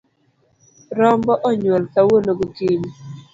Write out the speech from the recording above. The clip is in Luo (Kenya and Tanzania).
Rombo onyuol kawuono gokinyi.